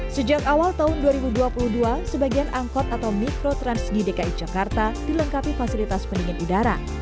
sejak awal tahun dua ribu dua puluh dua sebagian angkot atau mikrotrans di dki jakarta dilengkapi fasilitas pendingin udara